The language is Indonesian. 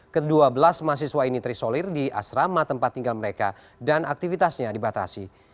kedua belas mahasiswa ini terisolir di asrama tempat tinggal mereka dan aktivitasnya dibatasi